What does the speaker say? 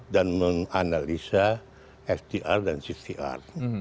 dan menganalisa fdr dan ccr